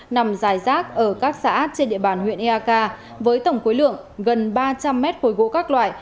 nằm dài rác ở các xã trên địa bàn huyện eak với tổng khối lượng gần ba trăm linh mét khối gỗ các loại